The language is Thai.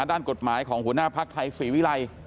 ด้านกฎหมายของหัวหน้าภักดิ์ไทยศรีวิรัย